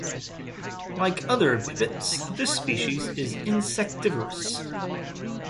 Like other pipits, this species is insectivorous.